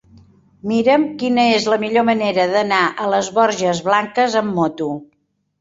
Mira'm quina és la millor manera d'anar a les Borges Blanques amb moto.